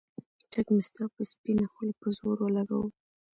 چک مې ستا پۀ سپينه خله پۀ زور اولګوو